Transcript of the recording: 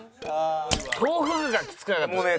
豆腐がきつくなかったですか？